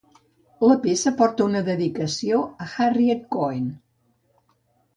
La peça porta una dedicació a Harriet Cohen.